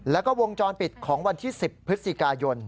แล้วก็วงจรปิดของวันที่๑๐พฤศจิกายน